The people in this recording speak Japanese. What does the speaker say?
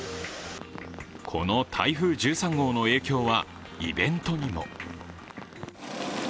この台風１３号の影響はイベントにも。